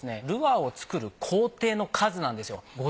ルアーを作る工程の数なんですよ。